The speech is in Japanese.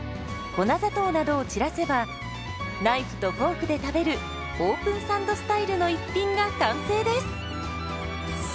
ナイフとフォークで食べるオープンサンドスタイルの一品が完成です。